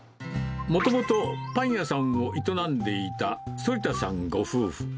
もともとパン屋さんを営んでいた反田さんご夫婦。